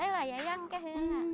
itu air yang kehala